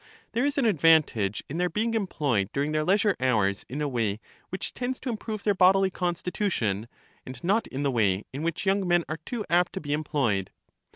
There is an advantage in their being employed during their leisure hours in a way which tends to improve their bodily constitution, and not in the way in which young men are too apt to be employed.